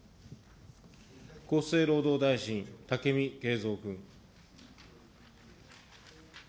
厚生労働大臣、武見敬三君。